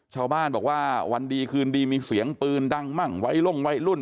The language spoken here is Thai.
ชาวบ้านบอกว่าวันดีคืนดีมีเสียงปืนดังมั่งวัยลงวัยรุ่น